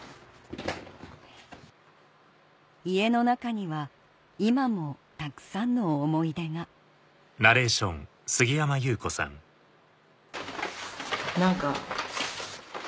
家の中には今もたくさんの思い出が何か。